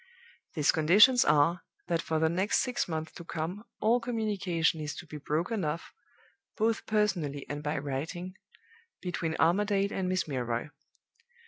"These conditions are, that for the next six months to come all communication is to be broken off, both personally and by writing, between Armadale and Miss Milroy.